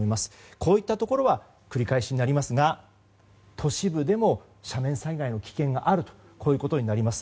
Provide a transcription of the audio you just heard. こういったところは繰り返しになりますが都市部でも斜面災害の危険があるということになります。